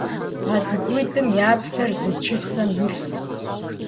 А цӏыкӏуитӏым я псэр зы чысэм илът.